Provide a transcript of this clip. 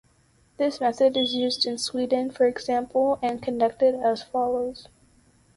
This method is used in Sweden for example, and conducted as follows.